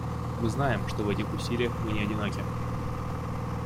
Мы знаем, что в этих усилиях мы не одиноки.